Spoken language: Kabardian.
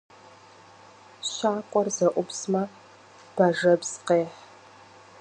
Щакӏуэр зэӏубзмэ, бажэбз къехь.